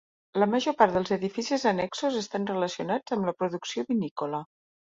La major part dels edificis annexos estan relacionats amb la producció vinícola.